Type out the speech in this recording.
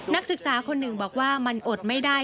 นักศึกษาคนหนึ่งบอกว่ามันอดไม่ได้